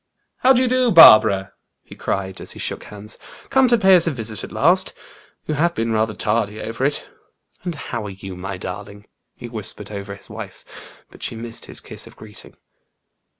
"How do you do, Barbara?" he cried, as he shook hands. "Come to pay us a visit at last? You have been rather tardy over it. And how are you, my darling?" he whispered over his wife; but she missed his kiss of greeting.